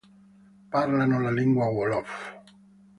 Parlano la lingua wolof.